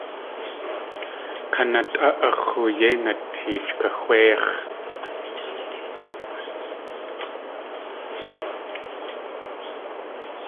Kanatʼá a x̲oo yéi nateech kaxwéix̲.